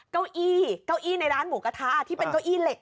เก้าอี้เก้าอี้ในร้านหมูกระทะที่เป็นเก้าอี้เหล็ก